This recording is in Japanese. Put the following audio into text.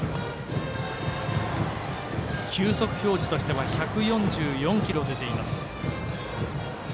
球速表示としては１４４キロ出ています。